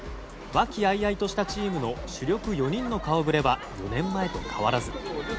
和気あいあいとしたチームの主力４人の顔ぶれは４年前と変わらず。